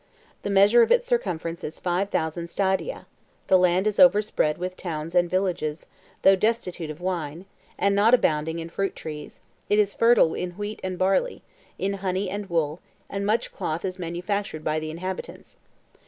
The measure of its circumference is five thousand stadia: the land is overspread with towns and villages: though destitute of wine, and not abounding in fruit trees, it is fertile in wheat and barley; in honey and wool; and much cloth is manufactured by the inhabitants.